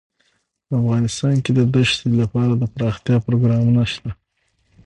افغانستان کې د دښتې لپاره دپرمختیا پروګرامونه شته.